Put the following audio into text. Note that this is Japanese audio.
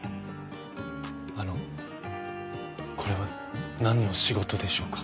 あのこれは何の仕事でしょうか。